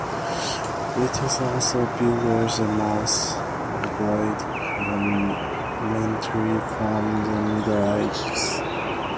It is also viewed as the most elaborate commentary from the Middle Ages.